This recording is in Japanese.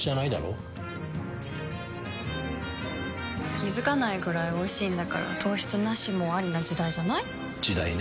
気付かないくらいおいしいんだから糖質ナシもアリな時代じゃない？時代ね。